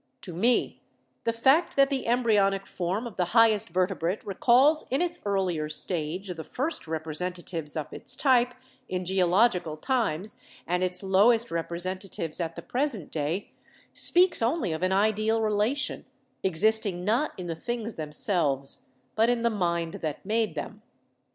To me the fact that the embryonic form of the highest Vertebrate recalls in its earlier stage the first rep resentatives of its type in geological times and its lowest representatives at the present day, speaks only of an ideal relation, existing not in the things themselves, but in the mind that made them.